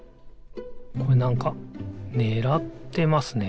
これなんかねらってますね。